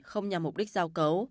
không nhằm mục đích giao cấu